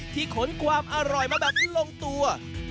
ขนความอร่อยมาแบบลงตัว